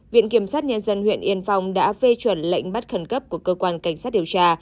viện kiểm sát nhân dân huyện yên phong đã phê chuẩn lệnh bắt khẩn cấp của cơ quan cảnh sát điều tra